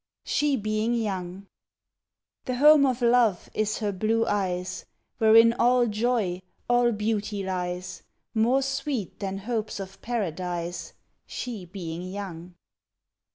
She Being Young The home of love is her blue eyes, Wherein all joy, all beauty lies, More sweet than hopes of paradise, She being young.